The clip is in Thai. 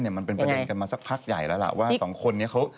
ก็บอกว่ากำลังอยู่ในระยะกำลังเคลียร์